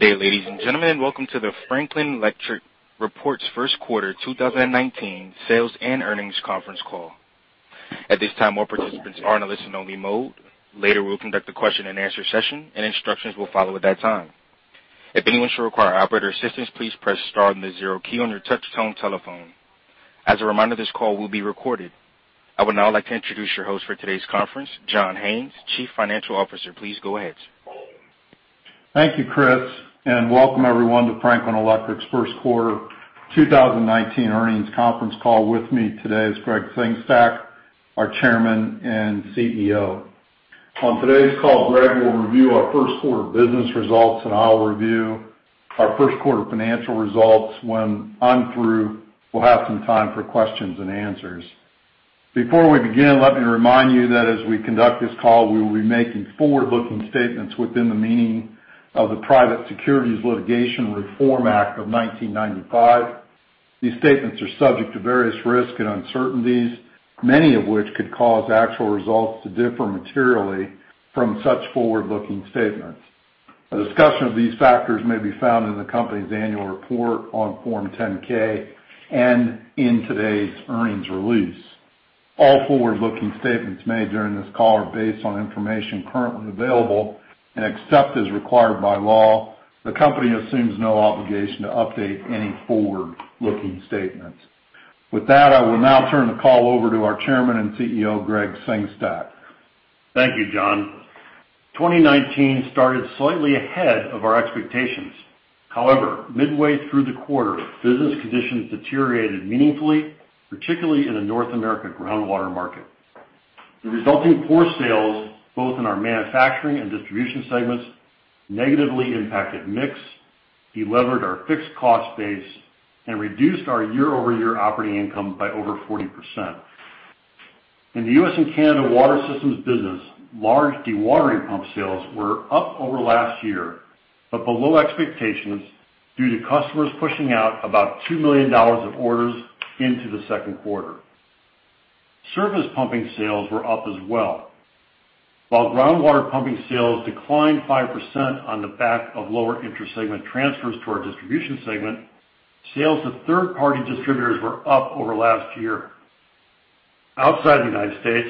Today, ladies and gentlemen, welcome to the Franklin Electric reports first quarter 2019 sales and earnings conference call. At this time, all participants are in a listen-only mode. Later we'll conduct a question-and-answer session, and instructions will follow at that time. If anyone should require operator assistance, please press star and the zero key on your touch tone telephone. As a reminder, this call will be recorded. I would now like to introduce your host for today's conference, John Haines, Chief Financial Officer. Please go ahead. Thank you, Chris, and welcome everyone to Franklin Electric's first quarter 2019 earnings conference call. With me today is Gregg Sengstack, our Chairman and CEO. On today's call, Gregg will review our first quarter business results, and I'll review our first quarter financial results. When I'm through, we'll have some time for questions and answers. Before we begin, let me remind you that as we conduct this call, we will be making forward-looking statements within the meaning of the Private Securities Litigation Reform Act of 1995. These statements are subject to various risks and uncertainties, many of which could cause actual results to differ materially from such forward-looking statements. A discussion of these factors may be found in the company's annual report on Form 10-K and in today's earnings release. All forward-looking statements made during this call are based on information currently available and except as required by law. The company assumes no obligation to update any forward-looking statements. With that, I will now turn the call over to our Chairman and CEO, Gregg Sengstack. Thank you, John. 2019 started slightly ahead of our expectations. However, midway through the quarter, business conditions deteriorated meaningfully, particularly in the North American groundwater market. The resulting poor sales, both in our manufacturing and distribution segments, negatively impacted mix, levered our fixed cost base, and reduced our year-over-year operating income by over 40%. In the U.S. and Canada Water Systems business, large dewatering pump sales were up over last year but below expectations due to customers pushing out about $2 million of orders into the second quarter. Surface pumping sales were up as well. While groundwater pumping sales declined 5% on the back of lower inter-segment transfers to our distribution segment, sales to third-party distributors were up over last year. Outside the United States,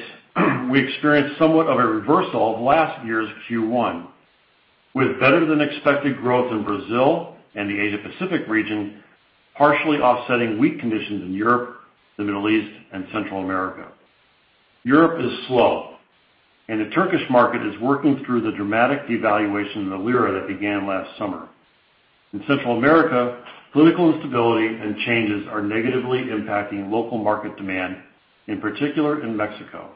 we experienced somewhat of a reversal of last year's Q1, with better-than-expected growth in Brazil and the Asia-Pacific region partially offsetting weak conditions in Europe, the Middle East, and Central America. Europe is slow, and the Turkish market is working through the dramatic devaluation of the lira that began last summer. In Central America, political instability and changes are negatively impacting local market demand, in particular in Mexico.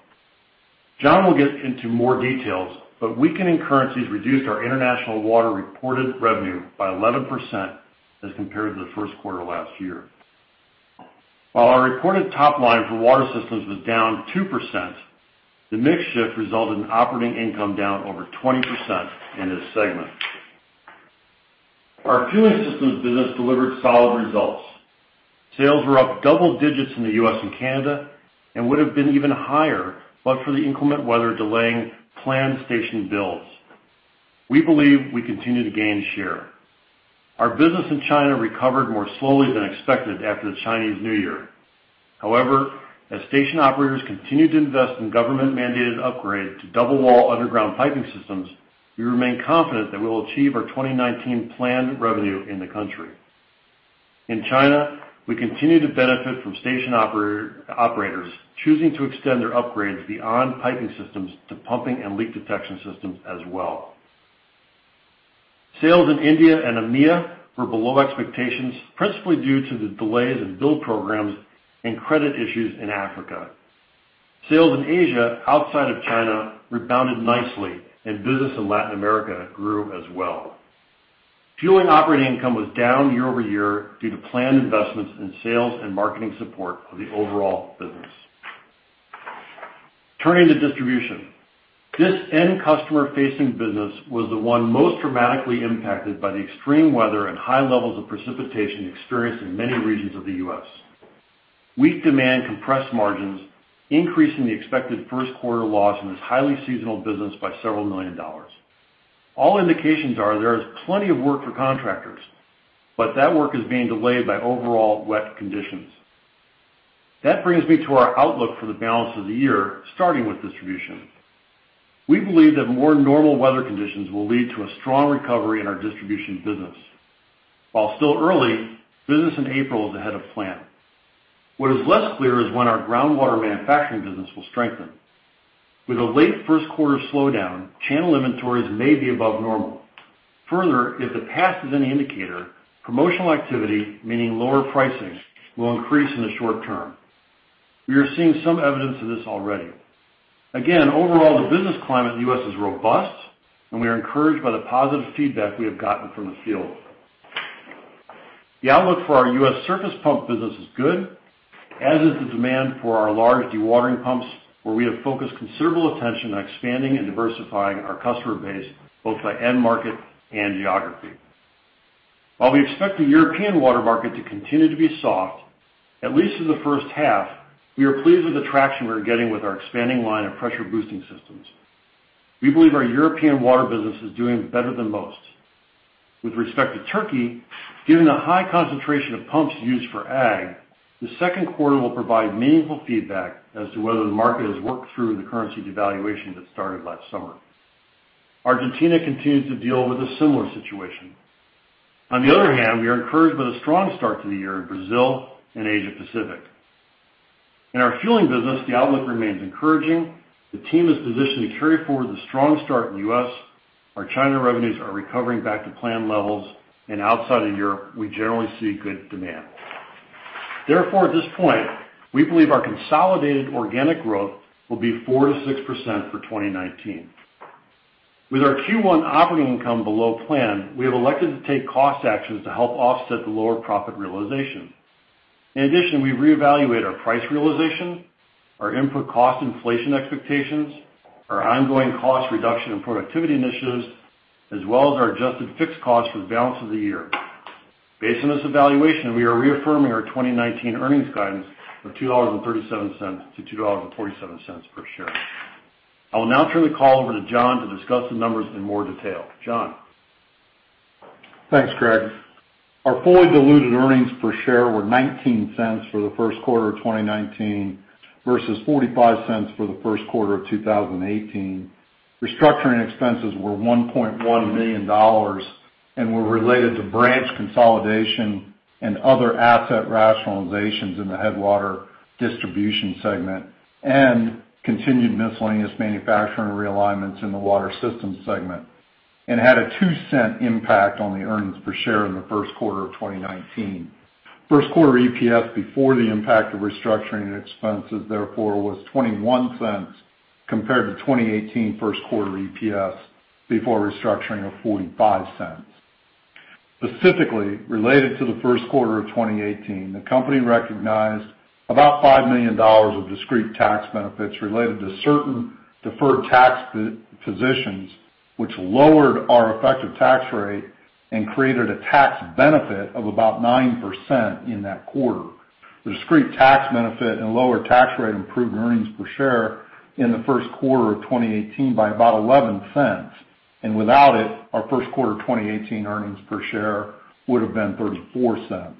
John will get into more details, but weakening currencies reduced our international water reported revenue by 11% as compared to the first quarter last year. While our reported top line for Water Systems was down 2%, the mix shift resulted in operating income down over 20% in this segment. Our Fueling Systems business delivered solid results. Sales were up double digits in the U.S. and Canada and would have been even higher but for the inclement weather delaying planned station builds. We believe we continue to gain share. Our business in China recovered more slowly than expected after the Chinese New Year. However, as station operators continue to invest in government-mandated upgrades to double-wall underground piping systems, we remain confident that we will achieve our 2019 planned revenue in the country. In China, we continue to benefit from station operators choosing to extend their upgrades beyond piping systems to pumping and leak detection systems as well. Sales in India and EMEA were below expectations, principally due to the delays in build programs and credit issues in Africa. Sales in Asia outside of China rebounded nicely, and business in Latin America grew as well. Fueling operating income was down year-over-year due to planned investments in sales and marketing support of the overall business. Turning to distribution, this end-customer-facing business was the one most dramatically impacted by the extreme weather and high levels of precipitation experienced in many regions of the U.S. Weak demand compressed margins, increasing the expected first quarter loss in this highly seasonal business by $several million. All indications are there is plenty of work for contractors, but that work is being delayed by overall wet conditions. That brings me to our outlook for the balance of the year, starting with distribution. We believe that more normal weather conditions will lead to a strong recovery in our distribution business. While still early, business in April is ahead of plan. What is less clear is when our groundwater manufacturing business will strengthen. With a late first quarter slowdown, channel inventories may be above normal. Further, if the past is any indicator, promotional activity, meaning lower pricing, will increase in the short term. We are seeing some evidence of this already. Again, overall, the business climate in the U.S. is robust, and we are encouraged by the positive feedback we have gotten from the field. The outlook for our U.S. surface pump business is good, as is the demand for our large dewatering pumps, where we have focused considerable attention on expanding and diversifying our customer base both by end market and geography. While we expect the European water market to continue to be soft, at least for the first half, we are pleased with the traction we are getting with our expanding line of pressure-boosting systems. We believe our European water business is doing better than most. With respect to Turkey, given the high concentration of pumps used for ag, the second quarter will provide meaningful feedback as to whether the market has worked through the currency devaluation that started last summer. Argentina continues to deal with a similar situation. On the other hand, we are encouraged by the strong start to the year in Brazil and Asia-Pacific. In our fueling business, the outlook remains encouraging. The team is positioned to carry forward the strong start in the U.S. Our China revenues are recovering back to planned levels, and outside of Europe, we generally see good demand. Therefore, at this point, we believe our consolidated organic growth will be 4%-6% for 2019. With our Q1 operating income below plan, we have elected to take cost actions to help offset the lower profit realization. In addition, we reevaluate our price realization, our input cost inflation expectations, our ongoing cost reduction and productivity initiatives, as well as our adjusted fixed cost for the balance of the year. Based on this evaluation, we are reaffirming our 2019 earnings guidance of $2.37-$2.47 per share. I will now turn the call over to John to discuss the numbers in more detail. John. Thanks, Gregg. Our fully diluted earnings per share were $0.19 for the first quarter of 2019 versus $0.45 for the first quarter of 2018. Restructuring expenses were $1.1 million and were related to branch consolidation and other asset rationalizations in the Headwater distribution segment and continued miscellaneous manufacturing realignments in the Water Systems segment and had a $0.02 impact on the earnings per share in the first quarter of 2019. First quarter EPS before the impact of restructuring expenses, therefore, was $0.21 compared to 2018 first quarter EPS before restructuring of $0.45. Specifically, related to the first quarter of 2018, the company recognized about $5 million of discrete tax benefits related to certain deferred tax positions, which lowered our effective tax rate and created a tax benefit of about 9% in that quarter. The discrete tax benefit and lower tax rate improved earnings per share in the first quarter of 2018 by about $0.11, and without it, our first quarter 2018 earnings per share would have been $0.34.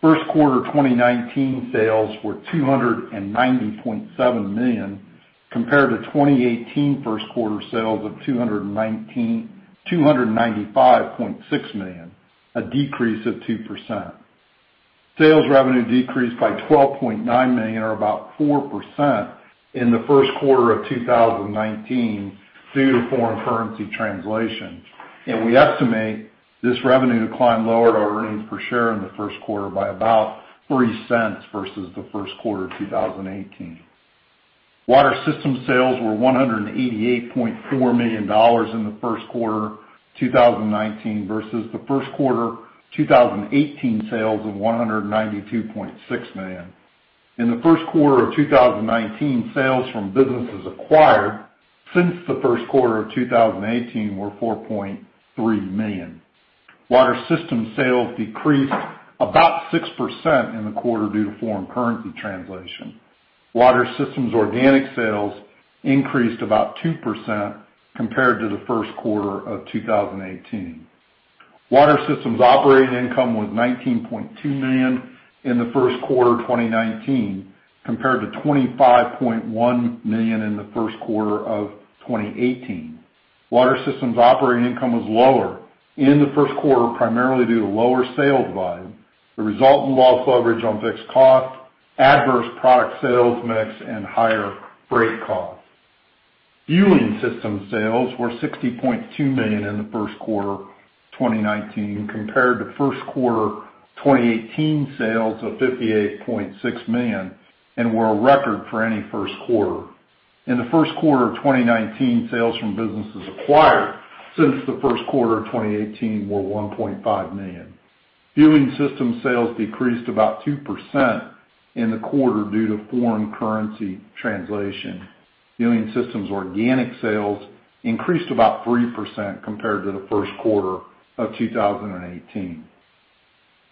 First quarter 2019 sales were $290.7 million compared to 2018 first quarter sales of $295.6 million, a decrease of 2%. Sales revenue decreased by $12.9 million, or about 4%, in the first quarter of 2019 due to foreign currency translation, and we estimate this revenue decline lowered our earnings per share in the first quarter by about $0.03 versus the first quarter of 2018. Water Systems sales were $188.4 million in the first quarter 2019 versus the first quarter 2018 sales of $192.6 million. In the first quarter of 2019, sales from businesses acquired since the first quarter of 2018 were $4.3 million. Water Systems sales decreased about 6% in the quarter due to foreign currency translation. Water Systems organic sales increased about 2% compared to the first quarter of 2018. Water Systems operating income was $19.2 million in the first quarter 2019 compared to $25.1 million in the first quarter of 2018. Water Systems operating income was lower in the first quarter primarily due to lower sales volume, the resultant loss leverage on fixed cost, adverse product sales mix, and higher freight cost. Fueling Systems sales were $60.2 million in the first quarter 2019 compared to first quarter 2018 sales of $58.6 million and were a record for any first quarter. In the first quarter of 2019, sales from businesses acquired since the first quarter of 2018 were $1.5 million. Fueling Systems sales decreased about 2% in the quarter due to foreign currency translation. Fueling Systems organic sales increased about 3% compared to the first quarter of 2018.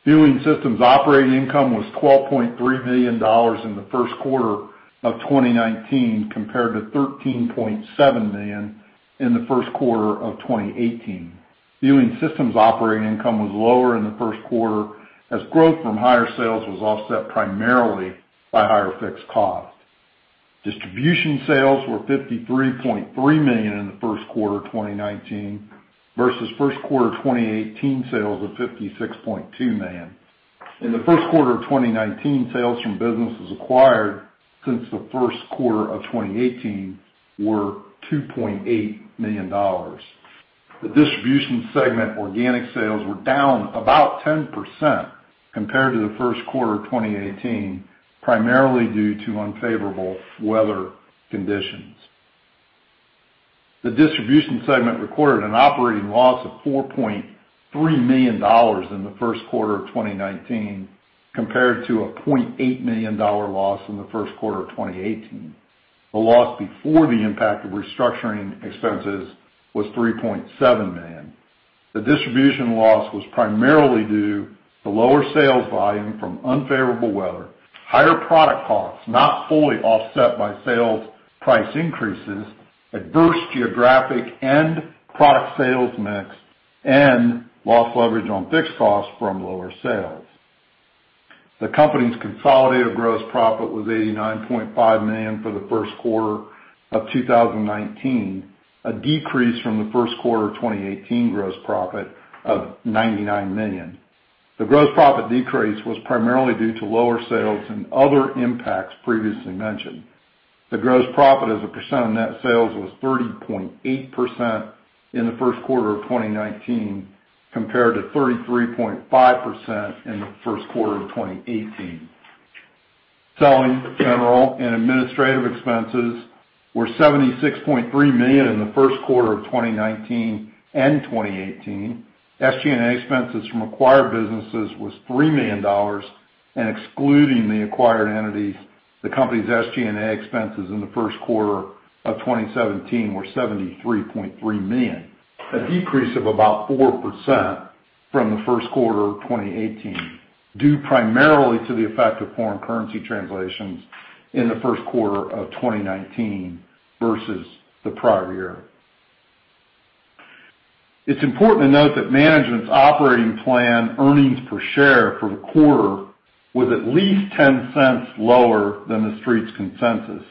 Fueling Systems operating income was $12.3 million in the first quarter of 2019 compared to $13.7 million in the first quarter of 2018. Fueling Systems operating income was lower in the first quarter as growth from higher sales was offset primarily by higher fixed cost. Distribution sales were $53.3 million in the first quarter 2019 versus first quarter 2018 sales of $56.2 million. In the first quarter of 2019, sales from businesses acquired since the first quarter of 2018 were $2.8 million. The Distribution segment organic sales were down about 10% compared to the first quarter of 2018 primarily due to unfavorable weather conditions. The Distribution segment recorded an operating loss of $4.3 million in the first quarter of 2019 compared to a $0.8 million loss in the first quarter of 2018. The loss before the impact of restructuring expenses was $3.7 million. The distribution loss was primarily due to lower sales volume from unfavorable weather, higher product costs not fully offset by sales price increases, adverse geographic and product sales mix, and loss leverage on fixed costs from lower sales. The company's consolidated gross profit was $89.5 million for the first quarter of 2019, a decrease from the first quarter of 2018 gross profit of $99 million. The gross profit decrease was primarily due to lower sales and other impacts previously mentioned. The gross profit as a % of net sales was 30.8% in the first quarter of 2019 compared to 33.5% in the first quarter of 2018. Selling, general, and administrative expenses were $76.3 million in the first quarter of 2019 and 2018. SG&A expenses from acquired businesses were $3 million, and excluding the acquired entities, the company's SG&A expenses in the first quarter of 2019 were $73.3 million, a decrease of about 4% from the first quarter of 2018 due primarily to the effect of foreign currency translations in the first quarter of 2019 versus the prior year. It's important to note that management's operating plan earnings per share for the quarter was at least $0.10 lower than the Street's consensus.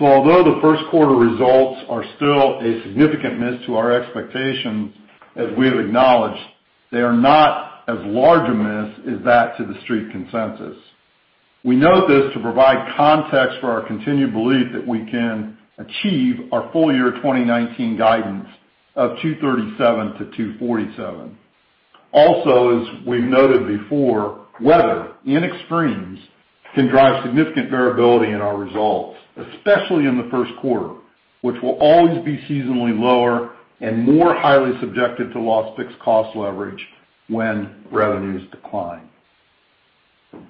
So although the first quarter results are still a significant miss to our expectations, as we have acknowledged, they are not as large a miss as that to the Street consensus. We note this to provide context for our continued belief that we can achieve our full year 2019 guidance of $2.37-$2.47. Also, as we've noted before, weather, in extremes, can drive significant variability in our results, especially in the first quarter, which will always be seasonally lower and more highly subjected to lost fixed cost leverage when revenues decline.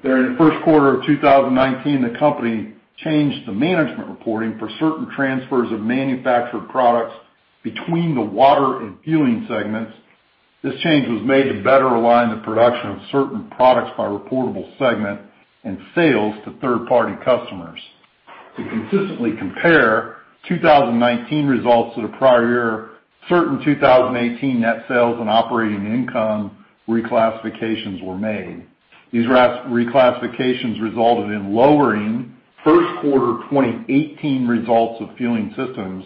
During the first quarter of 2019, the company changed the management reporting for certain transfers of manufactured products between the water and fueling segments. This change was made to better align the production of certain products by reportable segment and sales to third-party customers. To consistently compare 2019 results to the prior year, certain 2018 net sales and operating income reclassifications were made. These reclassifications resulted in lowering first quarter 2018 results of Fueling Systems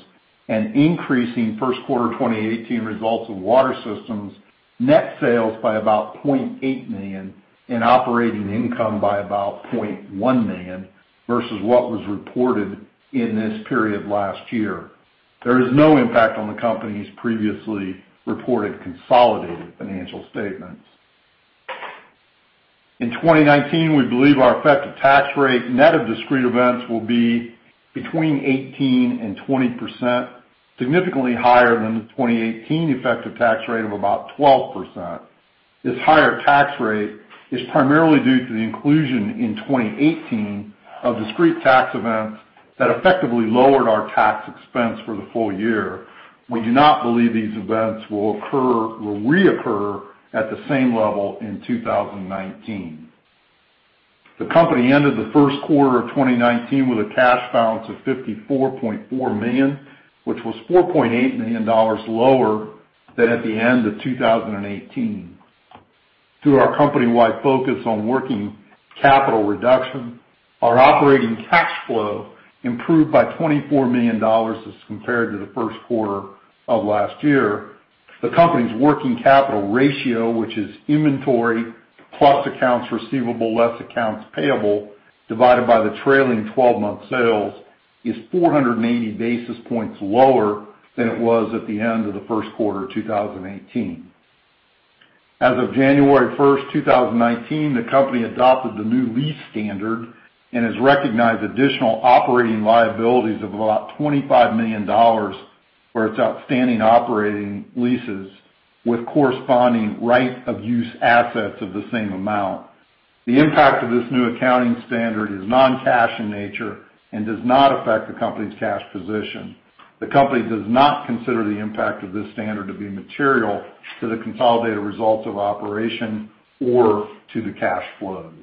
and increasing first quarter 2018 results of Water Systems net sales by about $0.8 million and operating income by about $0.1 million versus what was reported in this period last year. There is no impact on the company's previously reported consolidated financial statements. In 2019, we believe our effective tax rate net of discrete events will be between 18%-20%, significantly higher than the 2018 effective tax rate of about 12%. This higher tax rate is primarily due to the inclusion in 2018 of discrete tax events that effectively lowered our tax expense for the full year. We do not believe these events will occur or reoccur at the same level in 2019. The company ended the first quarter of 2019 with a cash balance of $54.4 million, which was $4.8 million lower than at the end of 2018. Through our company-wide focus on working capital reduction, our operating cash flow improved by $24 million as compared to the first quarter of last year. The company's working capital ratio, which is inventory plus accounts receivable less accounts payable divided by the trailing 12-month sales, is 480 basis points lower than it was at the end of the first quarter of 2018. As of January 1st, 2019, the company adopted the new lease standard and has recognized additional operating liabilities of about $25 million for its outstanding operating leases with corresponding right-of-use assets of the same amount. The impact of this new accounting standard is non-cash in nature and does not affect the company's cash position. The company does not consider the impact of this standard to be material to the consolidated results of operations or to the cash flows.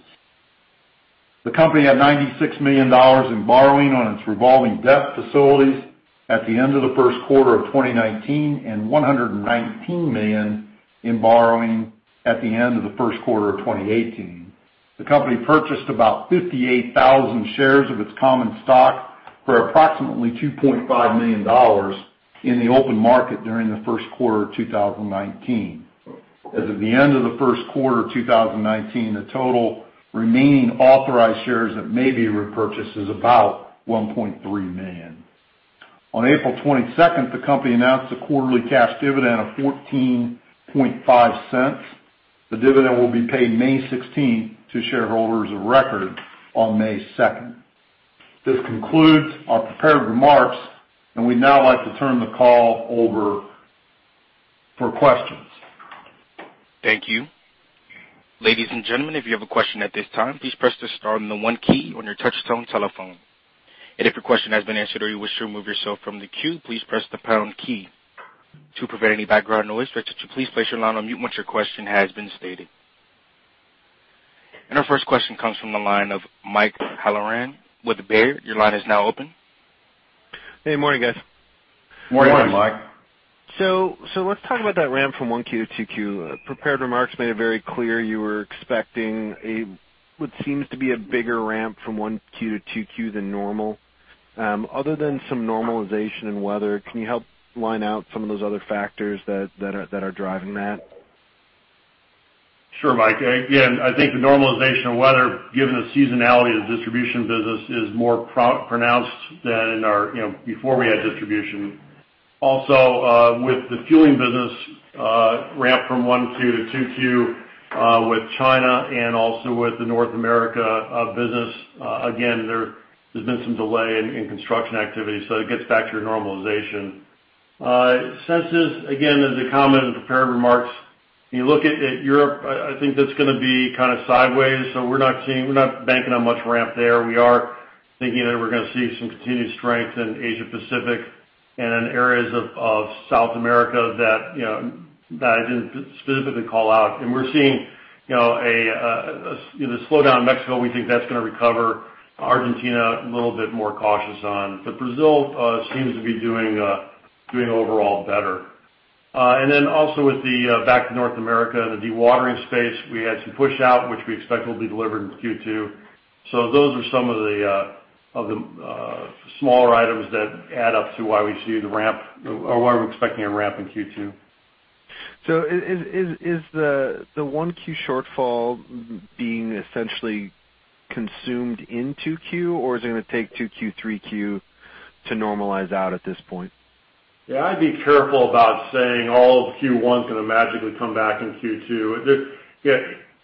The company had $96 million in borrowing on its revolving debt facilities at the end of the first quarter of 2019 and $119 million in borrowing at the end of the first quarter of 2018. The company purchased about 58,000 shares of its common stock for approximately $2.5 million in the open market during the first quarter of 2019. As of the end of the first quarter of 2019, the total remaining authorized shares that may be repurchased is about $1.3 million. On April 22nd, the company announced a quarterly cash dividend of $0.145. The dividend will be paid May 16th to shareholders of record on May 2nd. This concludes our prepared remarks, and we'd now like to turn the call over for questions. Thank you. Ladies and gentlemen, if you have a question at this time, please press the star and the one key on your touch-tone telephone. And if your question has been answered or you wish to remove yourself from the queue, please press the pound key. To prevent any background noise, please place your line on mute once your question has been stated. And our first question comes from the line of Mike Halloran with Baird. Your line is now open. Hey, morning, guys. Morning, Mike. So let's talk about that ramp from Q1 to Q2. Prepared remarks made it very clear you were expecting what seems to be a bigger ramp from Q1 to Q2 than normal. Other than some normalization in weather, can you help line out some of those other factors that are driving that? Sure, Mike. Again, I think the normalization of weather, given the seasonality of the distribution business, is more pronounced than before we had distribution. Also, with the fueling business ramp from Q1 to Q2 with China and also with the North America business, again, there's been some delay in construction activity, so it gets back to your normalization. Consensus, again, as a comment in prepared remarks, when you look at Europe, I think that's going to be kind of sideways, so we're not banking on much ramp there. We are thinking that we're going to see some continued strength in Asia-Pacific and in areas of South America that I didn't specifically call out. And we're seeing the slowdown in Mexico. We think that's going to recover. Argentina a little bit more cautious on. But Brazil seems to be doing overall better. And then also with the back to North America and the dewatering space, we had some push-out, which we expect will be delivered in Q2. So those are some of the smaller items that add up to why we see the ramp or why we're expecting a ramp in Q2. So is the Q1 shortfall being essentially consumed in Q2, or is it going to take Q2, Q3, Q4 to normalize out at this point? Yeah, I'd be careful about saying all of Q1 is going to magically come back in Q2.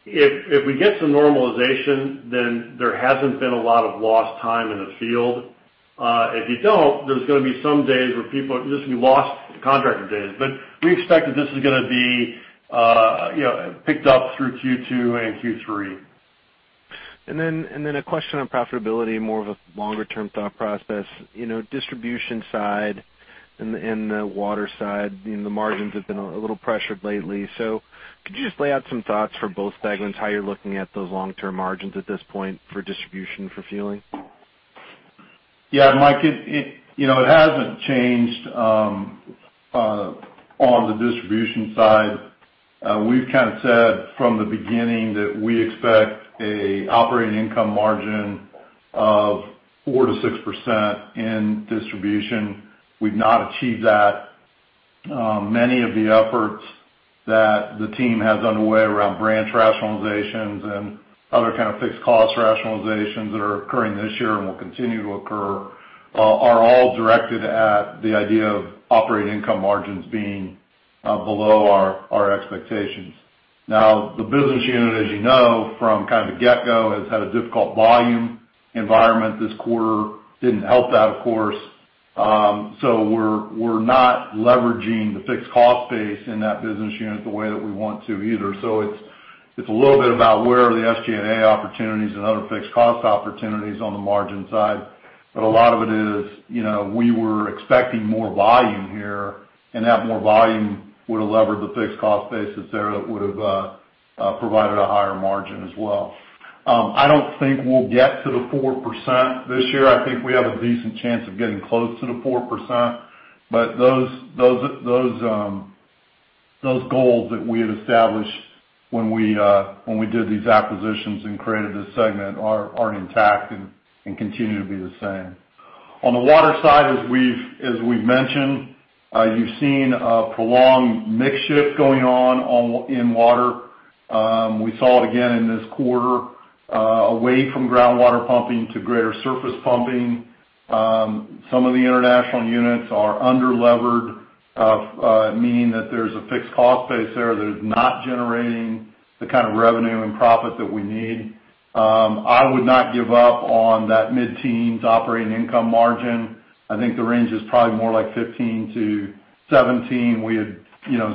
If we get some normalization, then there hasn't been a lot of lost time in the field. If you don't, there's going to be some days where there's going to be lost contractor days. But we expect that this is going to be picked up through Q2 and Q3. Then a question on profitability, more of a longer-term thought process. Distribution side and the water side, the margins have been a little pressured lately. Could you just lay out some thoughts for both segments, how you're looking at those long-term margins at this point for distribution for fueling? Yeah, Mike, it hasn't changed on the distribution side. We've kind of said from the beginning that we expect an operating income margin of 4%-6% in distribution. We've not achieved that. Many of the efforts that the team has underway around branch rationalizations and other kind of fixed cost rationalizations that are occurring this year and will continue to occur are all directed at the idea of operating income margins being below our expectations. Now, the business unit, as you know, from kind of the get-go has had a difficult volume environment this quarter. Didn't help that, of course. So we're not leveraging the fixed cost base in that business unit the way that we want to either. So it's a little bit about where are the SG&A opportunities and other fixed cost opportunities on the margin side. But a lot of it is we were expecting more volume here, and that more volume would have levered the fixed cost bases there that would have provided a higher margin as well. I don't think we'll get to the 4% this year. I think we have a decent chance of getting close to the 4%. But those goals that we had established when we did these acquisitions and created this segment are intact and continue to be the same. On the water side, as we've mentioned, you've seen a prolonged mix-shift going on in water. We saw it again in this quarter, away from groundwater pumping to greater surface pumping. Some of the international units are under-levered, meaning that there's a fixed cost base there that is not generating the kind of revenue and profit that we need. I would not give up on that mid-teens operating income margin. I think the range is probably more like 15-17. We had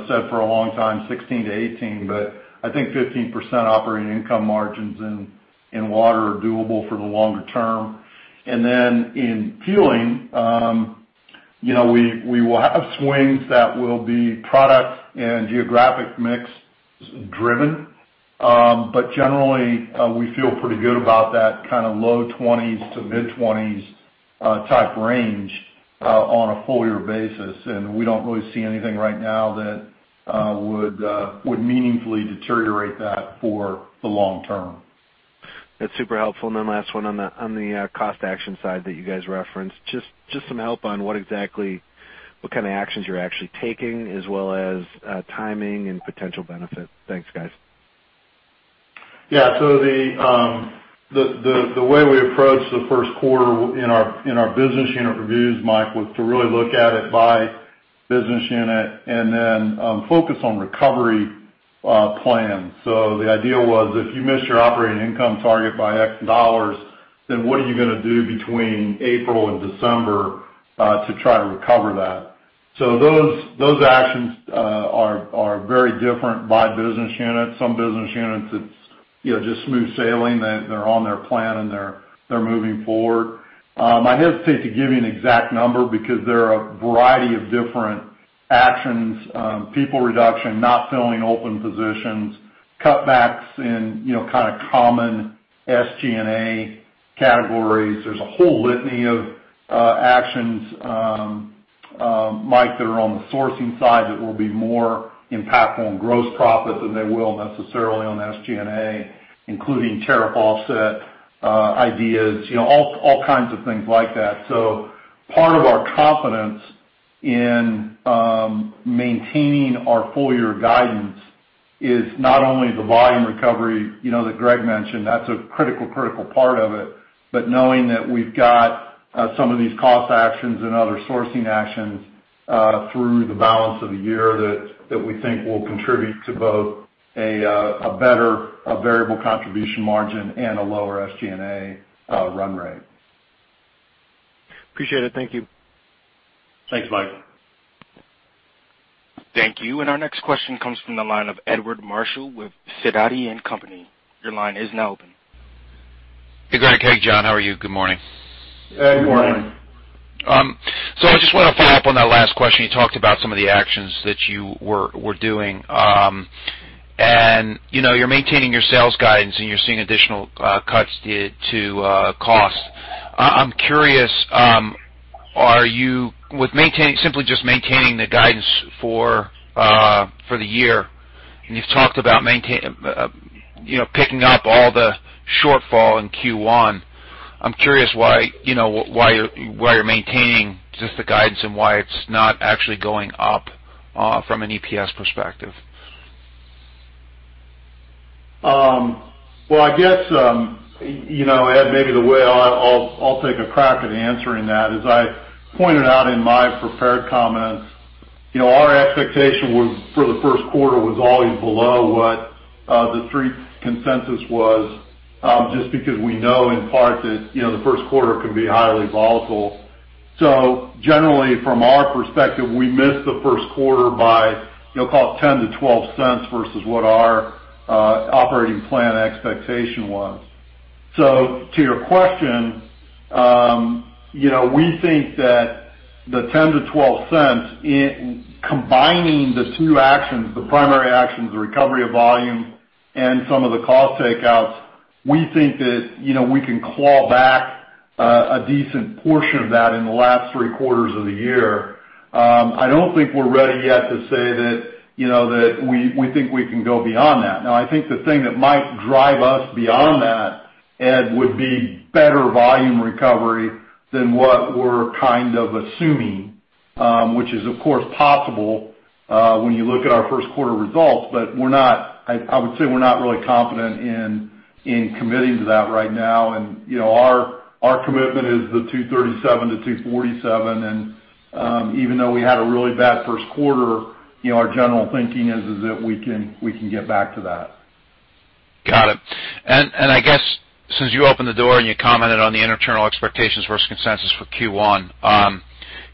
said for a long time 16-18, but I think 15% operating income margins in water are doable for the longer term. And then in fueling, we will have swings that will be product and geographic mix driven. But generally, we feel pretty good about that kind of low 20s to mid-20s type range on a full-year basis. And we don't really see anything right now that would meaningfully deteriorate that for the long term. That's super helpful. And then last one on the cost action side that you guys referenced, just some help on what kind of actions you're actually taking as well as timing and potential benefit? Thanks, guys. Yeah. So the way we approached the first quarter in our business unit reviews, Mike, was to really look at it by business unit and then focus on recovery plans. So the idea was, if you missed your operating income target by X dollars, then what are you going to do between April and December to try to recover that? So those actions are very different by business unit. Some business units, it's just smooth sailing. They're on their plan, and they're moving forward. I hesitate to give you an exact number because there are a variety of different actions: people reduction, not filling open positions, cutbacks in kind of common SG&A categories. There's a whole litany of actions, Mike, that are on the sourcing side that will be more impactful on gross profit than they will necessarily on SG&A, including tariff offset ideas, all kinds of things like that. So part of our confidence in maintaining our full-year guidance is not only the volume recovery that Gregg mentioned - that's a critical, critical part of it - but knowing that we've got some of these cost actions and other sourcing actions through the balance of the year that we think will contribute to both a better variable contribution margin and a lower SG&A run rate. Appreciate it. Thank you. Thanks, Mike. Thank you. And our next question comes from the line of Edward Marshall with Sidoti & Company. Your line is now open. Hey, Gregg. Hey, John. How are you? Good morning. Hey, good morning. So I just want to follow up on that last question. You talked about some of the actions that you were doing. You're maintaining your sales guidance, and you're seeing additional cuts to cost. I'm curious, with simply just maintaining the guidance for the year - and you've talked about picking up all the shortfall in Q1 - I'm curious why you're maintaining just the guidance and why it's not actually going up from an EPS perspective? Well, I guess, Ed, maybe the way I'll take a crack at answering that is I pointed out in my prepared comments, our expectation for the first quarter was always below what the Street consensus was just because we know in part that the first quarter can be highly volatile. So generally, from our perspective, we missed the first quarter by, call it, $0.10-$0.12 versus what our operating plan expectation was. So to your question, we think that the $0.10-$0.12, combining the two actions, the primary actions, the recovery of volume and some of the cost takeouts, we think that we can claw back a decent portion of that in the last three quarters of the year. I don't think we're ready yet to say that we think we can go beyond that. Now, I think the thing that might drive us beyond that, Ed, would be better volume recovery than what we're kind of assuming, which is, of course, possible when you look at our first quarter results. But I would say we're not really confident in committing to that right now. And our commitment is the $2.37-$2.47. And even though we had a really bad first quarter, our general thinking is that we can get back to that. Got it. And I guess since you opened the door and you commented on the internal expectations versus consensus for Q1,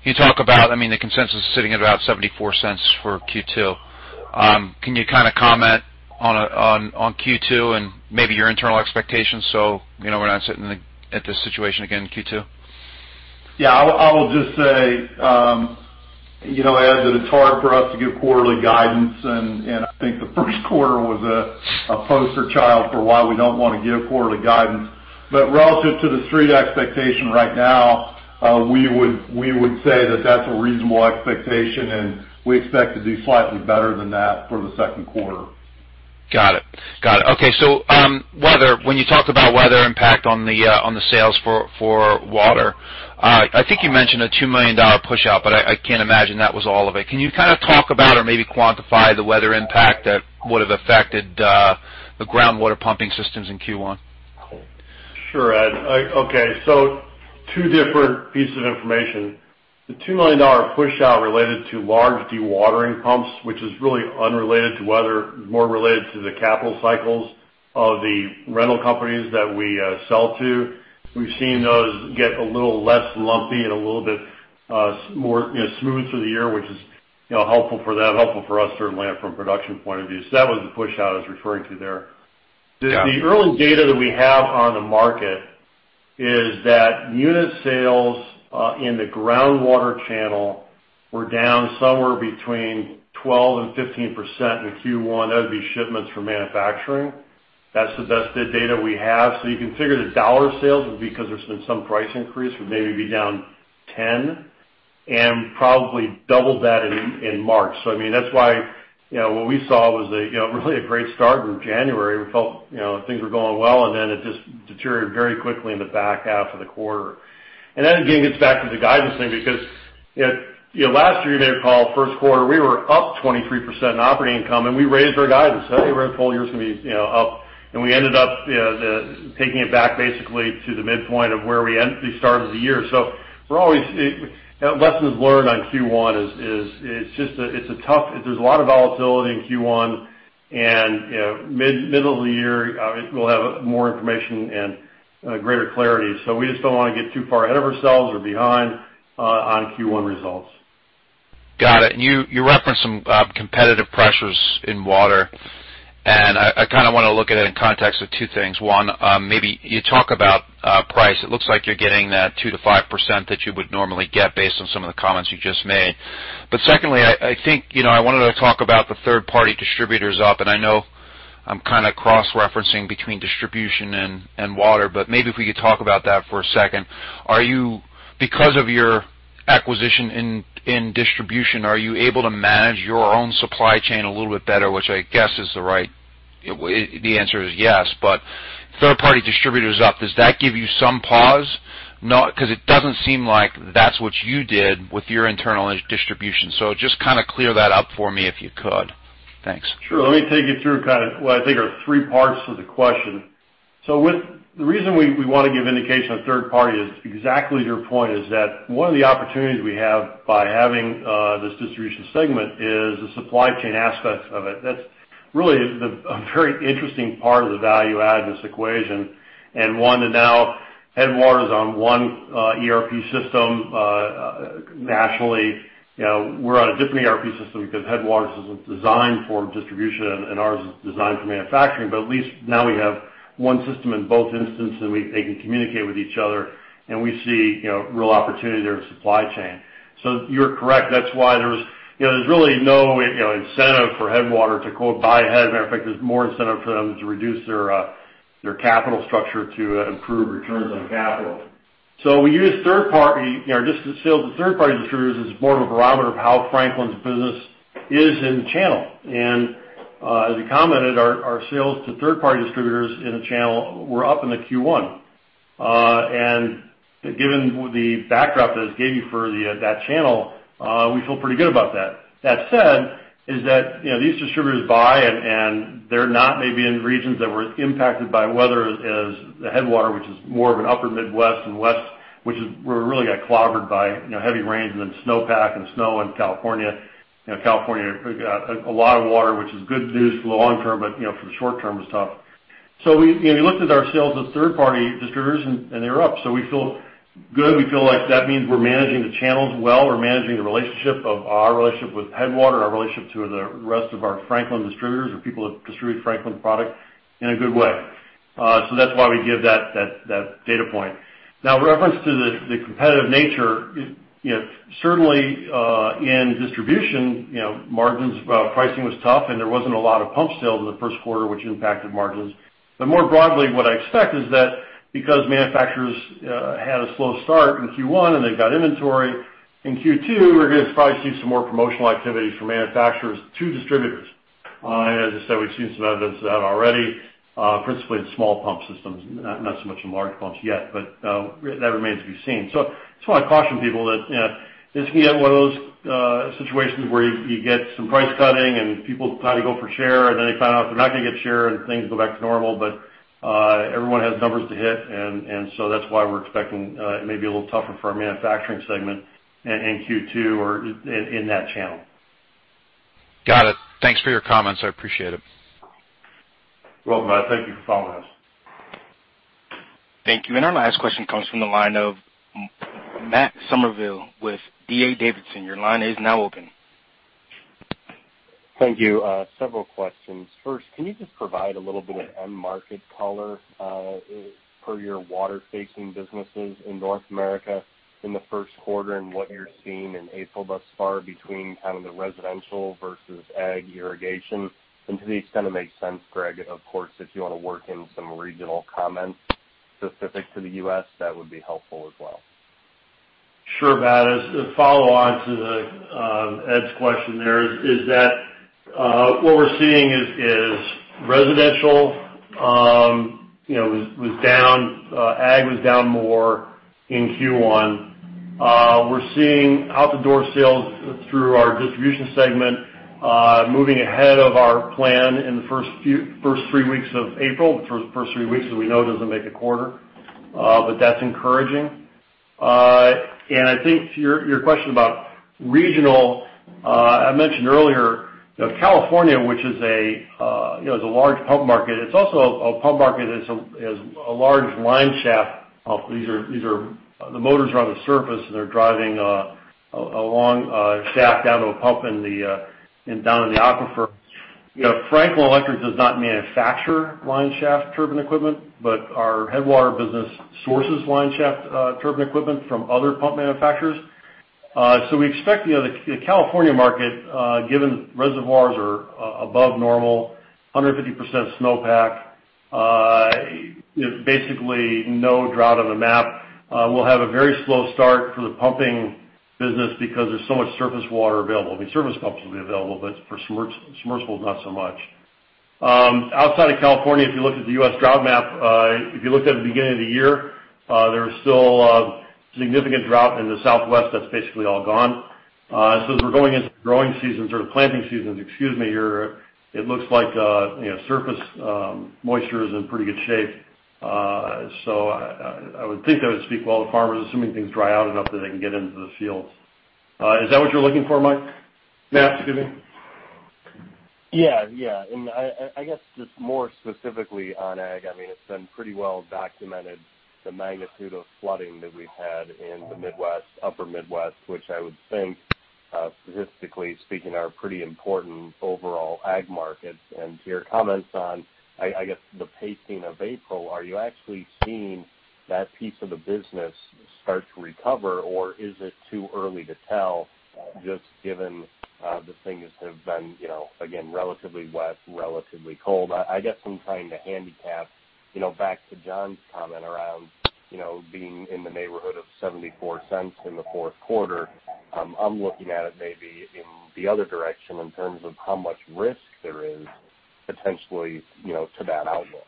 can you talk about, I mean, the consensus is sitting at about $0.74 for Q2. Can you kind of comment on Q2 and maybe your internal expectations so we're not sitting at this situation again in Q2? Yeah. I will just say, Ed, that it's hard for us to give quarterly guidance. I think the first quarter was a poster child for why we don't want to give quarterly guidance. Relative to the street expectation right now, we would say that that's a reasonable expectation, and we expect to do slightly better than that for the second quarter. Got it. Got it. Okay. So when you talked about weather impact on the sales for water, I think you mentioned a $2 million push-out, but I can't imagine that was all of it. Can you kind of talk about or maybe quantify the weather impact that would have affected the groundwater pumping systems in Q1? Sure, Ed. Okay. Two different pieces of information. The $2 million push-out related to large dewatering pumps, which is really unrelated to weather, more related to the capital cycles of the rental companies that we sell to. We've seen those get a little less lumpy and a little bit more smooth through the year, which is helpful for them, helpful for us certainly from a production point of view. So that was the push-out I was referring to there. The early data that we have on the market is that unit sales in the groundwater channel were down somewhere between 12%-15% in Q1. That would be shipments for manufacturing. That's the best data we have. So you can figure the dollar sales, because there's been some price increase, would maybe be down 10% and probably doubled that in March. So I mean, that's why what we saw was really a great start in January. We felt things were going well, and then it just deteriorated very quickly in the back half of the quarter. And that, again, gets back to the guidance thing because last year, you may recall, first quarter, we were up 23% in operating income, and we raised our guidance. "Hey, we're in full year. It's going to be up." And we ended up taking it back basically to the midpoint of where we started the year. So lessons learned on Q1 is it's a tough. There's a lot of volatility in Q1. And middle of the year, we'll have more information and greater clarity. So we just don't want to get too far ahead of ourselves or behind on Q1 results. Got it. And you referenced some competitive pressures in water. And I kind of want to look at it in context of two things. One, maybe you talk about price. It looks like you're getting that 2%-5% that you would normally get based on some of the comments you just made. But secondly, I think I wanted to talk about the third-party distributors up. And I know I'm kind of cross-referencing between distribution and water, but maybe if we could talk about that for a second. Because of your acquisition in distribution, are you able to manage your own supply chain a little bit better, which I guess is the right answer is yes. But third-party distributors up, does that give you some pause? Because it doesn't seem like that's what you did with your internal distribution. So just kind of clear that up for me if you could. Thanks. Sure. Let me take you through kind of what I think are three parts to the question. So the reason we want to give indication of third-party is exactly your point, is that one of the opportunities we have by having this distribution segment is the supply chain aspect of it. That's really a very interesting part of the value-add in this equation. And now Headwater's on one ERP system nationally, we're on a different ERP system because Headwater's isn't designed for distribution, and ours is designed for manufacturing. But at least now we have one system in both instances, and they can communicate with each other, and we see real opportunity there in supply chain. So you're correct. That's why there's really no incentive for Headwater to "buy ahead." As a matter of fact, there's more incentive for them to reduce their capital structure to improve returns on capital. So we use third-party, just the sales to third-party distributors, is more of a barometer of how Franklin's business is in the channel. And as you commented, our sales to third-party distributors in the channel were up in the Q1. And given the backdrop that it gave you for that channel, we feel pretty good about that. That said, is that these distributors buy, and they're not maybe in regions that were impacted by weather as the Headwater, which is more of an upper Midwest and West, which is where we really got clobbered by heavy rains and then snowpack and snow in California. California got a lot of water, which is good news for the long term, but for the short term, it was tough. So we looked at our sales to third-party distributors, and they were up. So we feel good. We feel like that means we're managing the channels well. We're managing the relationship with Headwater, our relationship to the rest of our Franklin distributors or people that distribute Franklin product in a good way. So that's why we give that data point. Now, reference to the competitive nature, certainly in distribution, pricing was tough, and there wasn't a lot of pump sales in the first quarter, which impacted margins. But more broadly, what I expect is that because manufacturers had a slow start in Q1 and they got inventory in Q2, we're going to probably see some more promotional activities from manufacturers to distributors. As I said, we've seen some evidence of that already, principally in small pump systems, not so much in large pumps yet, but that remains to be seen. So I just want to caution people that this can get one of those situations where you get some price cutting, and people try to go for share, and then they find out they're not going to get share, and things go back to normal. But everyone has numbers to hit. And so that's why we're expecting it may be a little tougher for our manufacturing segment in Q2 or in that channel. Got it. Thanks for your comments. I appreciate it. You're welcome, Ed. Thank you for following us. Thank you. Our last question comes from the line of Matt Summerville with D.A. Davidson. Your line is now open. Thank you. Several questions. First, can you just provide a little bit of end-market color per your water-facing businesses in North America in the first quarter and what you're seeing in April thus far between kind of the residential versus ag irrigation? And to the extent it makes sense, Gregg, of course, if you want to work in some regional comments specific to the U.S., that would be helpful as well. Sure, Matt. As a follow-on to Ed's question there, what we're seeing is residential was down. Ag was down more in Q1. We're seeing out-the-door sales through our distribution segment moving ahead of our plan in the first three weeks of April. The first three weeks, as we know, doesn't make a quarter, but that's encouraging. And I think your question about regional I mentioned earlier, California, which is a large pump market, it's also a pump market that has a large line shaft. These are the motors are on the surface, and they're driving a long shaft down to a pump down in the aquifer. Franklin Electric does not manufacture line shaft turbine equipment, but our Headwater business sources line shaft turbine equipment from other pump manufacturers. So we expect the California market, given reservoirs are above normal, 150% snowpack, basically no drought on the map, will have a very slow start for the pumping business because there's so much surface water available. I mean, surface pumps will be available, but for submersibles, not so much. Outside of California, if you looked at the U.S. drought map, if you looked at the beginning of the year, there was still significant drought in the Southwest. That's basically all gone. So as we're going into the growing seasons or the planting seasons, excuse me, it looks like surface moisture is in pretty good shape. So I would think that would speak well to farmers, assuming things dry out enough that they can get into the fields. Is that what you're looking for, Matt? Excuse me. Yeah. Yeah. And I guess just more specifically on ag, I mean, it's been pretty well documented, the magnitude of flooding that we've had in the Midwest, upper Midwest, which I would think, statistically speaking, are pretty important overall ag markets. And to your comments on, I guess, the pacing of April, are you actually seeing that piece of the business start to recover, or is it too early to tell just given the things have been, again, relatively wet, relatively cold? I guess I'm trying to handicap back to John's comment around being in the neighborhood of $0.74 in the fourth quarter. I'm looking at it maybe in the other direction in terms of how much risk there is potentially to that outlook.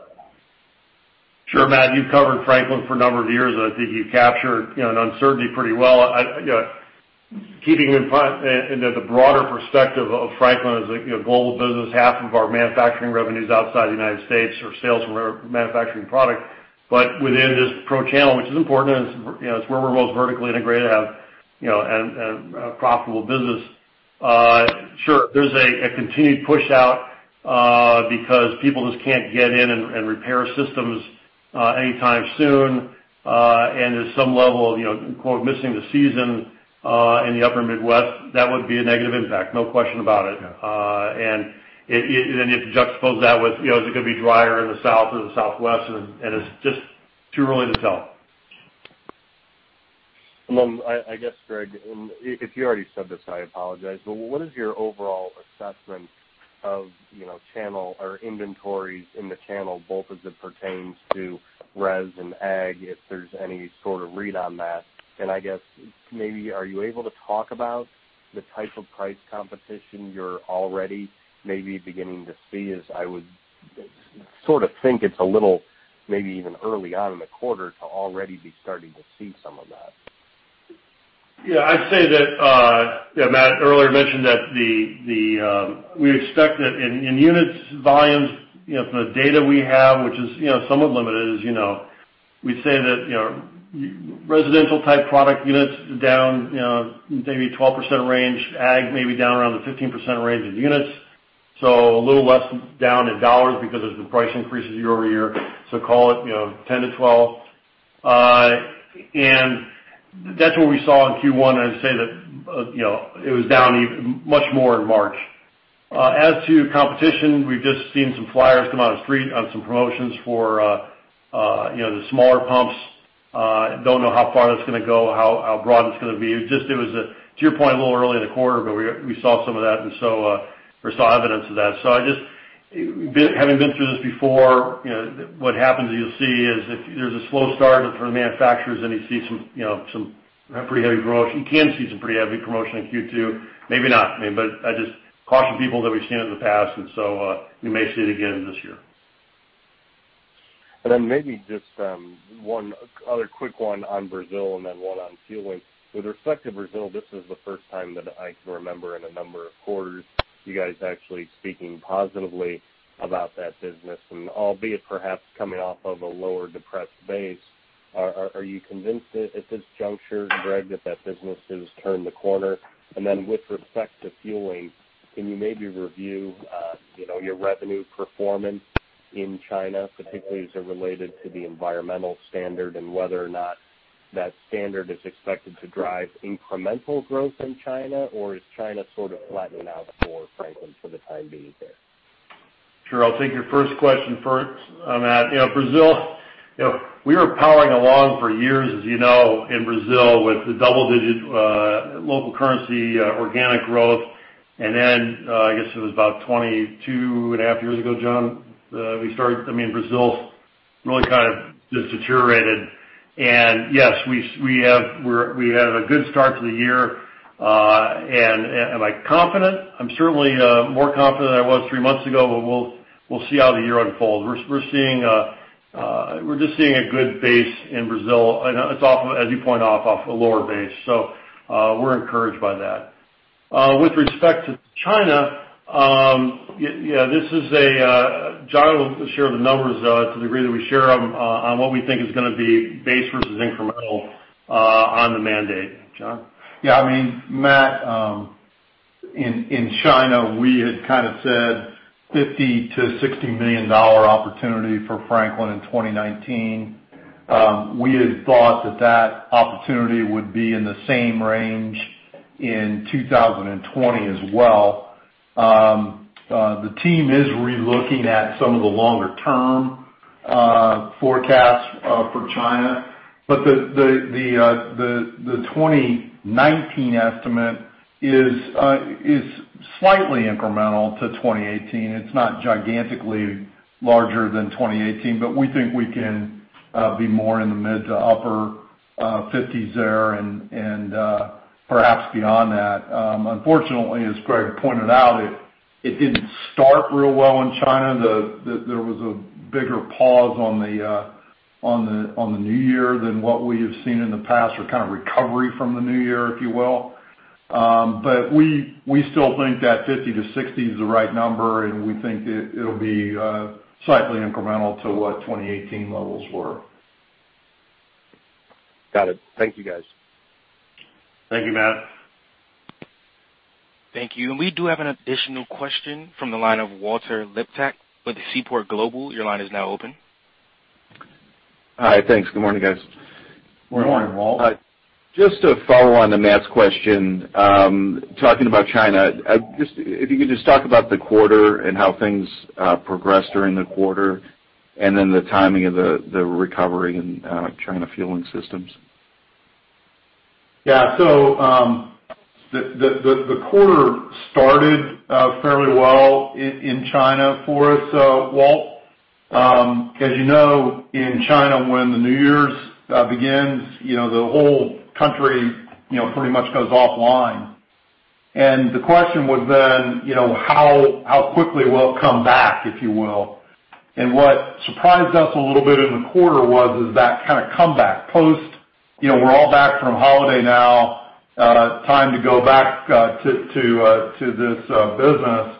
Sure, Matt. You've covered Franklin for a number of years, and I think you've captured an uncertainty pretty well. Keeping in the broader perspective of Franklin as a global business, half of our manufacturing revenue is outside the United States or sales from manufacturing product. But within this pro-channel, which is important, it's where we're most vertically integrated to have a profitable business. Sure, there's a continued push-out because people just can't get in and repair systems anytime soon. And there's some level of "missing the season" in the upper Midwest. That would be a negative impact, no question about it. And then you have to juxtapose that with, "Is it going to be drier in the South or the Southwest?" And it's just too early to tell. Then I guess, Gregg, and if you already said this, I apologize, but what is your overall assessment of channel or inventories in the channel, both as it pertains to res and ag, if there's any sort of read on that? I guess maybe are you able to talk about the type of price competition you're already maybe beginning to see? I would sort of think it's a little maybe even early on in the quarter to already be starting to see some of that. Yeah. I'd say that yeah, Matt earlier mentioned that we expect that in units volumes, from the data we have, which is somewhat limited, as we'd say that residential-type product units down maybe 12% range, ag maybe down around the 15% range in units, so a little less down in dollars because there's been price increases year-over-year. So call it 10%-12%. And that's what we saw in Q1. I'd say that it was down much more in March. As to competition, we've just seen some flyers come off the street on some promotions for the smaller pumps. Don't know how far that's going to go, how broad it's going to be. Just it was, to your point, a little early in the quarter, but we saw some of that, and so we saw evidence of that. So having been through this before, what happens you'll see is if there's a slow start for the manufacturers, then you see some pretty heavy promotion. You can see some pretty heavy promotion in Q2. Maybe not. I mean, but I just caution people that we've seen it in the past, and so we may see it again this year. And then maybe just one other quick one on Brazil and then one on fueling. With respect to Brazil, this is the first time that I can remember in a number of quarters you guys actually speaking positively about that business. Albeit perhaps coming off of a lower-depressed base, are you convinced at this juncture, Gregg, that that business has turned the corner? With respect to fueling, can you maybe review your revenue performance in China, particularly as it related to the environmental standard and whether or not that standard is expected to drive incremental growth in China, or is China sort of flattening out for Franklin for the time being there? Sure. I'll take your first question first, Matt. Brazil, we were powering along for years, as you know, in Brazil with the double-digit local currency organic growth. Then I guess it was about 22.5 years ago, John, that we started. I mean, Brazil really kind of just deteriorated. Yes, we had a good start to the year. Am I confident? I'm certainly more confident than I was three months ago, but we'll see how the year unfolds. We're just seeing a good base in Brazil. And as you point out, off a lower base. So we're encouraged by that. With respect to China, yeah, this is a. John will share the numbers to the degree that we share them on what we think is going to be base versus incremental on the mandate, John. Yeah. I mean, Matt, in China, we had kind of said $50-$60 million opportunity for Franklin in 2019. We had thought that that opportunity would be in the same range in 2020 as well. The team is relooking at some of the longer-term forecasts for China. But the 2019 estimate is slightly incremental to 2018. It's not gigantically larger than 2018, but we think we can be more in the mid- to upper-50s there and perhaps beyond that. Unfortunately, as Gregg pointed out, it didn't start real well in China. There was a bigger pause on the New Year than what we have seen in the past or kind of recovery from the New Year, if you will. But we still think that $50-$60 is the right number, and we think it'll be slightly incremental to what 2018 levels were. Got it. Thank you, guys. Thank you, Matt. Thank you. We do have an additional question from the line of Walter Liptak with Seaport Global. Your line is now open. Hi. Thanks. Good morning, guys. Good morning, Walt. Just to follow on to Matt's question, talking about China, if you could just talk about the quarter and how things progressed during the quarter and then the timing of the recovery in China Fueling Systems. Yeah. So the quarter started fairly well in China for us. So Walt, as you know, in China, when the New Year's begins, the whole country pretty much goes offline. And the question was then how quickly we'll come back, if you will. And what surprised us a little bit in the quarter was that kind of comeback post we're all back from holiday now, time to go back to this business.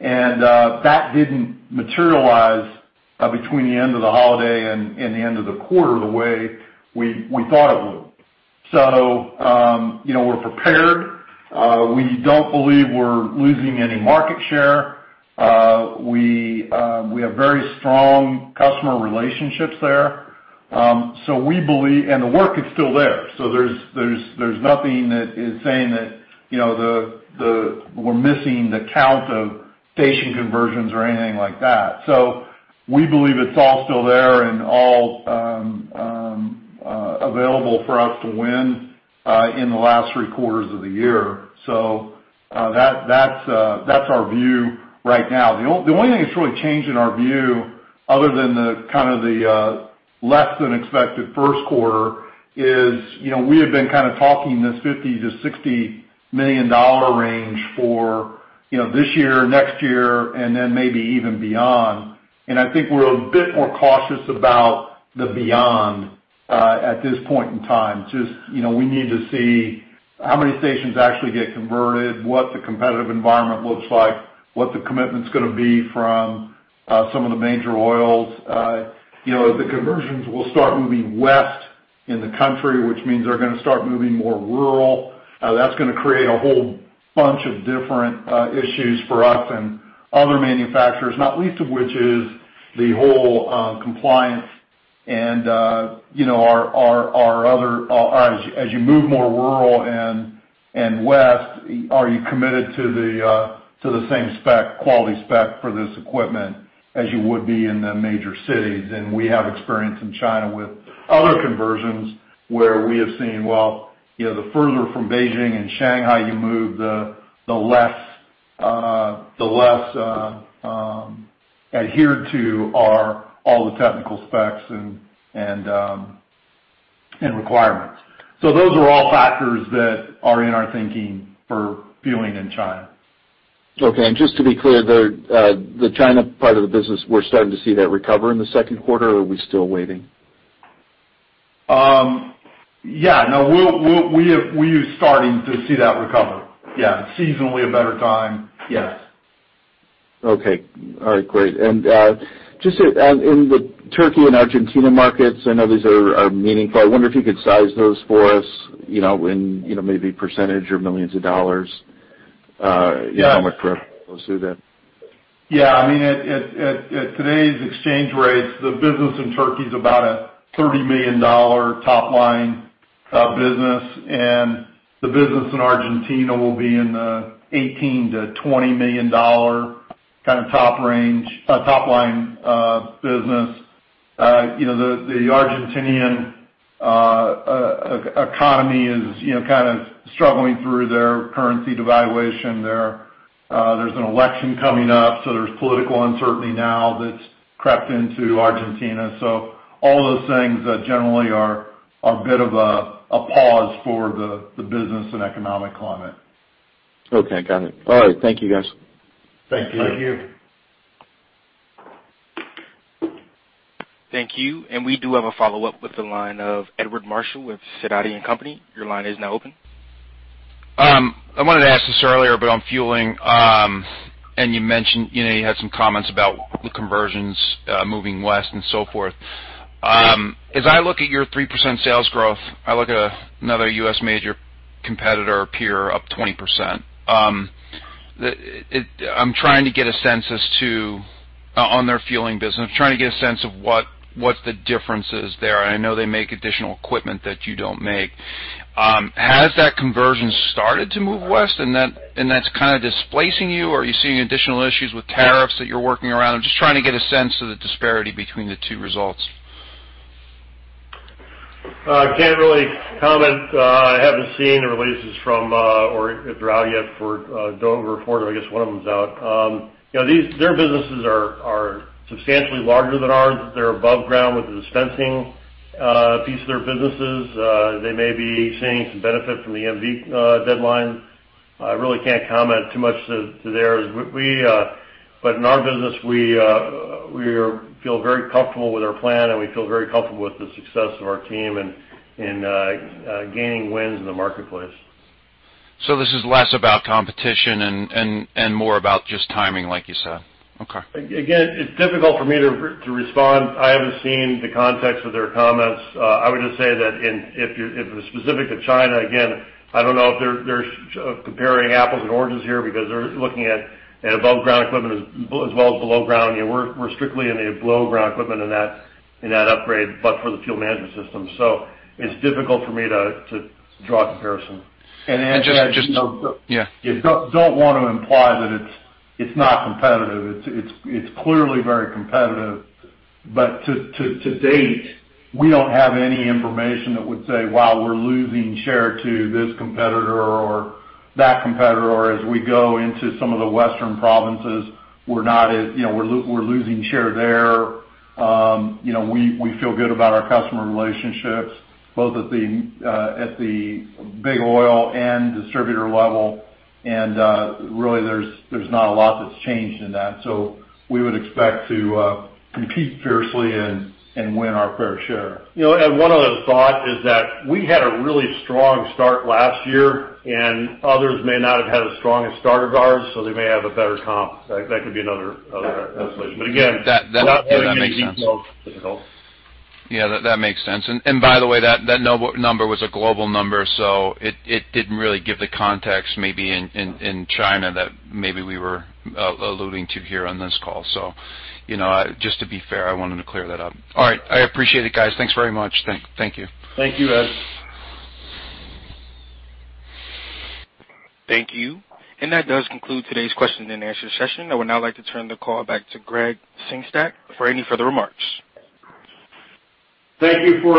And that didn't materialize between the end of the holiday and the end of the quarter the way we thought it would. So we're prepared. We don't believe we're losing any market share. We have very strong customer relationships there. And the work is still there. So there's nothing that is saying that we're missing the count of station conversions or anything like that. So we believe it's all still there and all available for us to win in the last three quarters of the year. So that's our view right now. The only thing that's really changed in our view, other than kind of the less-than-expected first quarter, is we have been kind of talking this $50 million-$60 million range for this year, next year, and then maybe even beyond. And I think we're a bit more cautious about the beyond at this point in time. Just we need to see how many stations actually get converted, what the competitive environment looks like, what the commitment's going to be from some of the major oils. If the conversions will start moving west in the country, which means they're going to start moving more rural, that's going to create a whole bunch of different issues for us and other manufacturers, not least of which is the whole compliance. As you move more rural and west, are you committed to the same quality spec for this equipment as you would be in the major cities? We have experience in China with other conversions where we have seen, well, the further from Beijing and Shanghai you move, the less adhered to are all the technical specs and requirements. Those are all factors that are in our thinking for fueling in China. Okay. And just to be clear, the China part of the business, we're starting to see that recover in the second quarter, or are we still waiting? Yeah. No, we are starting to see that recover. Yeah. Seasonally, a better time. Yes. Okay. All right. Great. And in the Turkey and Argentina markets, I know these are meaningful. I wonder if you could size those for us in maybe percentage or millions of dollars? If you want me to proceed with that. Yeah. I mean, at today's exchange rates, the business in Turkey is about a $30 million top-line business. The business in Argentina will be in the $18 million-$20 million kind of top-line business. The Argentine economy is kind of struggling through their currency devaluation. There's an election coming up, so there's political uncertainty now that's crept into Argentina. All those things generally are a bit of a pause for the business and economic climate. Okay. Got it. All right. Thank you, guys. Thank you. Thank you. Thank you. We do have a follow-up with the line of Edward Marshall with Sidoti & Company. Your line is now open. I wanted to ask this earlier, but on fueling, and you mentioned you had some comments about the conversions moving west and so forth. As I look at your 3% sales growth, I look at another U.S. major competitor, Pierre 20%. I'm trying to get a sense as to on their fueling business, I'm trying to get a sense of what the difference is there. And I know they make additional equipment that you don't make. Has that conversion started to move west, and that's kind of displacing you, or are you seeing additional issues with tariffs that you're working around? I'm just trying to get a sense of the disparity between the two results. Can't really comment. I haven't seen the releases from or they're out yet for over a quarter. I guess one of them's out. Their businesses are substantially larger than ours. They're above ground with the dispensing piece of their businesses. They may be seeing some benefit from the EMV deadline. I really can't comment too much to theirs. But in our business, we feel very comfortable with our plan, and we feel very comfortable with the success of our team in gaining wins in the marketplace. This is less about competition and more about just timing, like you said. Okay. Again, it's difficult for me to respond. I haven't seen the context of their comments. I would just say that if it's specific to China, again, I don't know if they're comparing apples and oranges here because they're looking at above-ground equipment as well as below ground. We're strictly in the below-ground equipment in that upgrade but for the Fuel Management System. So it's difficult for me to draw a comparison. And then just. Yeah. You don't want to imply that it's not competitive. It's clearly very competitive. But to date, we don't have any information that would say, "Wow, we're losing share to this competitor or that competitor," or, "As we go into some of the Western provinces, we're not, we're losing share there." We feel good about our customer relationships, both at the Big Oil and distributor level. And really, there's not a lot that's changed in that. So we would expect to compete fiercely and win our fair share. One other thought is that we had a really strong start last year, and others may not have had as strong a start as ours, so they may have a better comp. That could be another explanation. Again, not giving details is difficult. Yeah. That makes sense. By the way, that number was a global number, so it didn't really give the context maybe in China that maybe we were alluding to here on this call. Just to be fair, I wanted to clear that up. All right. I appreciate it, guys. Thanks very much. Thank you. Thank you, Ed. Thank you. That does conclude today's questions and answers session. I would now like to turn the call back to Gregg Sengstack for any further remarks. Thank you for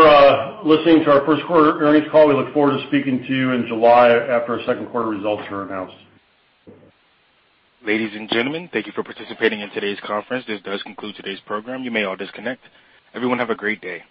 listening to our first quarter earnings call. We look forward to speaking to you in July after our second quarter results are announced. Ladies and gentlemen, thank you for participating in today's conference. This does conclude today's program. You may all disconnect. Everyone, have a great day.